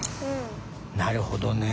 なるほどね。